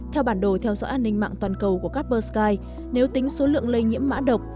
theo bản đồ theo dõi an ninh mạng toàn cầu của capper sky nếu tính số lượng lây nhiễm mã độc